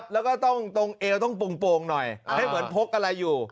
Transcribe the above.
แล้วก็ต้องตรงเอวต้องโป่งหน่อยให้เหมือนพกอะไรอยู่